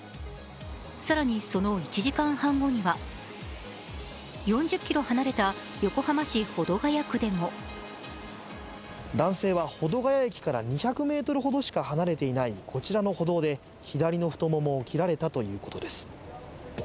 更に、その１時間半後には、４０ｋｍ離れた横浜市保土ケ谷区でも男性は保土ケ谷駅から２００ｍほどしか離れていないこちらの歩道で左の太ももを切られたということです。